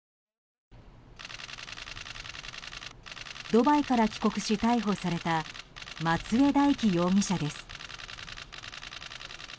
ドバイから帰国し逮捕された松江大樹容疑者です。